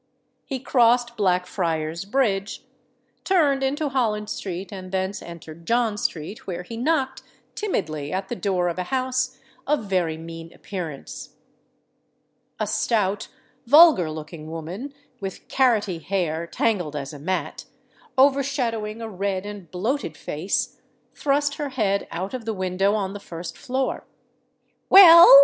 He crossed Blackfriars' Bridge, turned into Holland Street, and thence entered John Street, where he knocked timidly at the door of a house of very mean appearance. A stout, vulgar looking woman, with carrotty hair, tangled as a mat, overshadowing a red and bloated face, thrust her head out of the window on the first floor. "Well?"